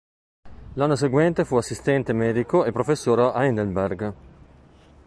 L'anno seguente fu un assistente medico e professore a Heidelberg.